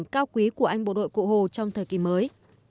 đối của anh bộ đội cụ hồ trong thời kỳ mới